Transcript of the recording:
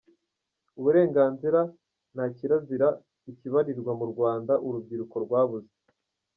uburenganzira, nta kirazira ikibalirwa mu Rwanda; Urubyiruko rwabuze